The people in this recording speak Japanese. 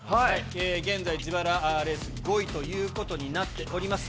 現在自腹レース５位ということになっております。